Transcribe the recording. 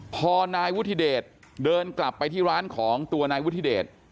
พอนายวุฒิเดชเดินกลับไปที่ร้านของตัวนายวุฒิเดช